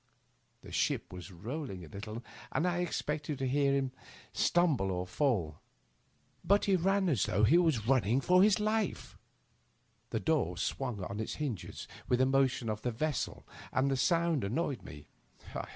The ship was rolling a little and I expected to hear him stumble or fall, but he r9.n as though he ' 2 . Digitized by VjOOQIC 26 THE UPPER BERTH. was running for his life. The door swung on its hinges with the motion of the vessel, and the sound annoyed me.